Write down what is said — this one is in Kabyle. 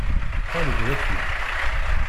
Ṭṭal-d waki.